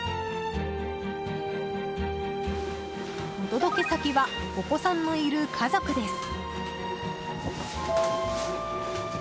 お届け先はお子さんのいる家族です。